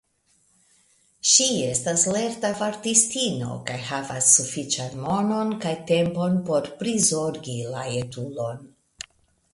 Ŝi estas lerta vartistino kaj havas sufiĉan monon kaj tempon por prizorgi la etulon.